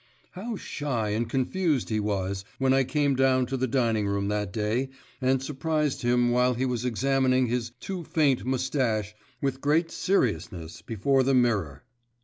How shy and confused he was when I came down to the dining room that day and surprised him while he was examining his too faint mustache with great seriousness before the mirror!